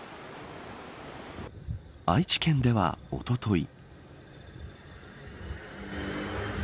愛知県では、おととい。